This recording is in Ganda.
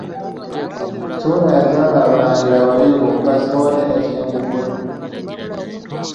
Ssuuna yazaala abalangira babiri bokka, Ssewatti ne Kimbugwe.